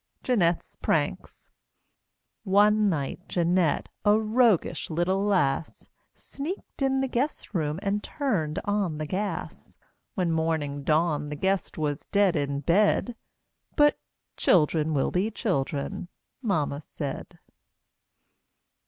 JEANETTE'S PRANKS One night, Jeanette, a roguish little lass, Sneaked in the guest room and turned on the gas; When morning dawned the guest was dead in bed, But "Children will be children," Mamma said.